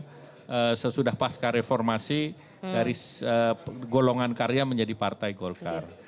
dan sesudah pas kareformasi dari golongan karya menjadi partai golkar